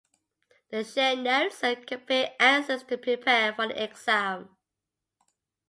They shared notes and compared answers to prepare for the exam.